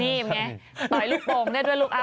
นี่ไงต่อยลูกโป่งได้ด้วยลูกอ้